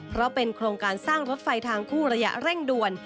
เพราะเป็นโครงการสร้างรถไฟทางคู่ระยะเร่งด่วน